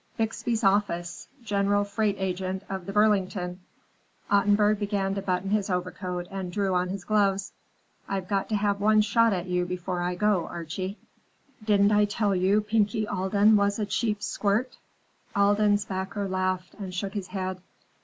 "Bixby's office, general freight agent of the Burlington." Ottenburg began to button his overcoat and drew on his gloves. "I've got to have one shot at you before I go, Archie. Didn't I tell you Pinky Alden was a cheap squirt?" Alden's backer laughed and shook his head.